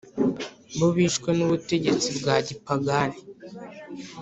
Bo bishwe n ubutegetsi bwa gipagani